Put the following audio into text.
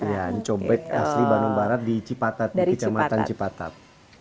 iya cobek asli bandung barat di cipatat di kecamatan cipatat